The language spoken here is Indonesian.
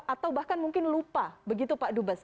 atau bahkan mungkin lupa begitu pak dubes